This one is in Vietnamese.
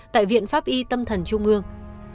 tại viện pháp y tâm thần trung ương